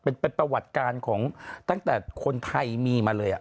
เป็นประวัติการของตั้งแต่คนไทยมีมาเลย